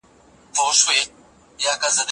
د ګاونډیو ثبات په ګډه پورې تړلی دی.